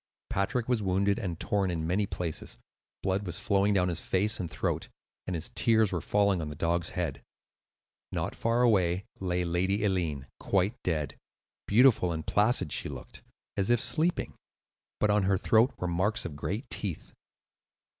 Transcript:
Patrick was wounded and torn in many places; blood was flowing down his face and throat, and his tears were falling on the dog's head. Not far away lay Lady Eileen, quite dead. Very beautiful and placid she looked, as if sleeping; but on her throat were marks of great teeth.